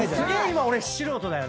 今俺素人だよね。